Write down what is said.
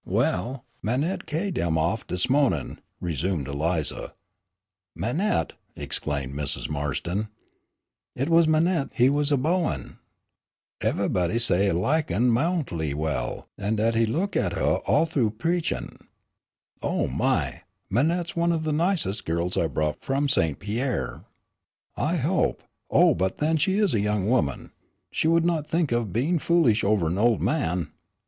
"Well, Manette ca'ied him off dis mo'nin'," resumed Eliza. "Manette!" exclaimed Mrs. Marston. "It was Manette he was a beauin'. Evahbody say he likin' huh moughty well, an' dat he look at huh all th'oo preachin'." "Oh my! Manette's one of the nicest girls I brought from St. Pierre. I hope oh, but then she is a young woman, she would not think of being foolish over an old man."